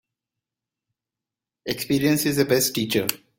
Experience is the best teacher.